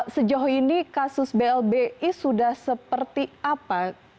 sejauh ini kasus blbi sudah seperti apa